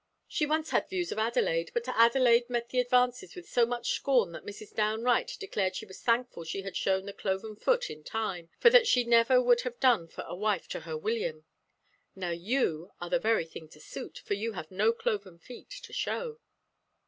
She once had views of Adelaide, but Adelaide met the advances with so much scorn that Mrs. Downe Wright declared she was thankful she had shown the cloven foot in time, for that she never would have done for a wife to her William. Now you are the very thing to suit, for you have no cloven feet to show."